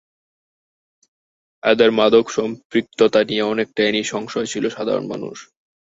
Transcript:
এদের মাদক সম্পৃক্ততা নিয়ে অনেকটাই নিঃসংশয় ছিল সাধারণ মানুষ।